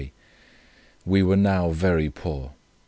We were now very poor.